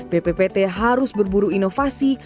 bppt harus berburu inovasi